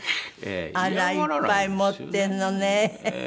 あら！いっぱい持ってるのね。